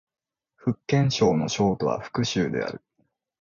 福建省の省都は福州である